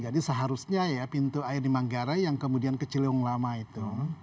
jadi seharusnya ya pintu air di manggarai yang kemudian kecil yang lama itu